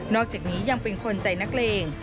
อกจากนี้ยังเป็นคนใจนักเลง